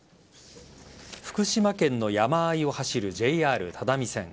福島県の山あいを走るＪＲ只見線。